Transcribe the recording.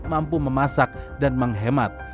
mampu memasak dan menghemat